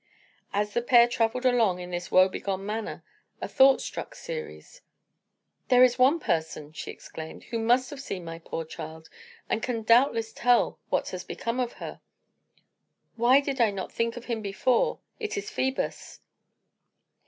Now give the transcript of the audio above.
As the pair travelled along in this woebegone manner, a thought struck Ceres. "There is one person," she exclaimed, "who must have seen my poor child, and can doubtless tell what has become of her. Why did not I think of him before? It is Phœbus."